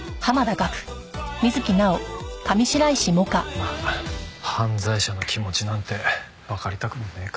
まあ犯罪者の気持ちなんてわかりたくもねえか。